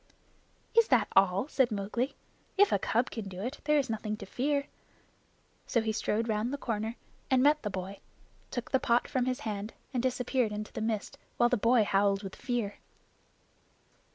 "Is that all?" said Mowgli. "If a cub can do it, there is nothing to fear." So he strode round the corner and met the boy, took the pot from his hand, and disappeared into the mist while the boy howled with fear.